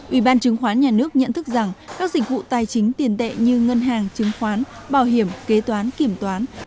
ủy ban chứng khoán nhà nước nhận thức rằng các dịch vụ tài chính tiền tệ như ngân hàng chứng khoán bảo hiểm kế toán kiểm toán